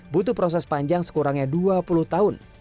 butuh proses panjang sekurangnya dua puluh tahun